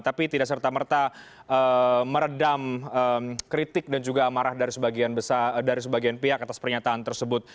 tapi tidak serta merta meredam kritik dan juga amarah dari sebagian pihak atas pernyataan tersebut